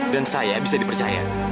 dan saya bisa dipercaya